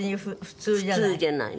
普通じゃない。